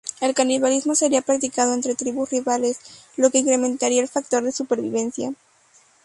El canibalismo sería practicado entre tribus rivales, lo que incrementaría el factor de supervivencia.